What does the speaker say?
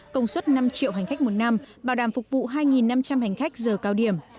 công suất năm triệu hành khách một năm bảo đảm phục vụ hai năm trăm linh hành khách giờ cao điểm